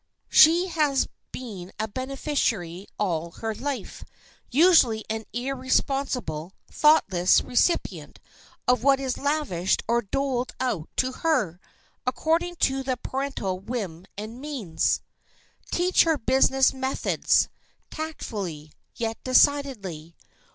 She has been a beneficiary all her life, usually an irresponsible, thoughtless recipient of what is lavished or doled out to her, according to the parental whim and means. [Sidenote: LEARNING BUSINESS METHODS] Teach her business methods, tactfully, yet decidedly.